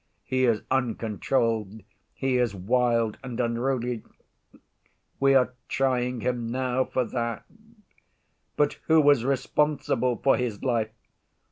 He is uncontrolled, he is wild and unruly—we are trying him now for that—but who is responsible for his life?